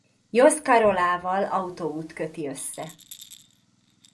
Joskar-Olával autóút köti össze.